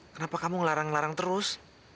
kenapa kamu ngelarang ngelarang terus